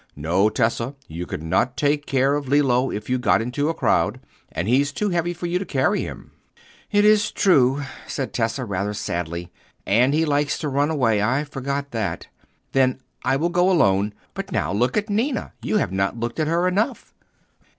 "No, Tessa, you could not take care of Lillo if you got into a crowd, and he's too heavy for you to carry him." "It is true," said Tessa, rather sadly, "and he likes to run away. I forgot that. Then I will go alone. But now look at Ninna—you have not looked at her enough."